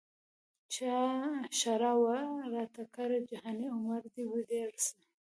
چا ښرا وه راته کړې جهاني عمر دي ډېر سه